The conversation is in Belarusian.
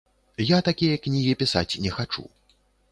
Я такія кнігі пісаць не хачу.